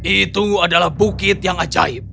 itu adalah bukit yang ajaib